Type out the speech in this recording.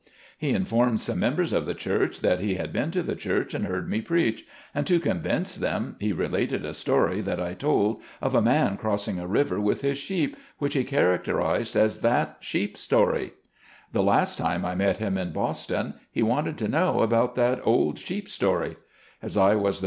He informed some members of the church that he had been to the church and heard me preach, and to convince them, he related a story that I told of a man crossing a river with his sheep, which he characterized as that "sheep story" The last time I met him in Boston he wanted to know about that old " sheep story " As I was the 122 SLAVE CABIN TO PULPIT.